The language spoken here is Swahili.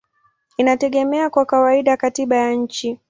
inategemea kwa kawaida katiba ya nchi.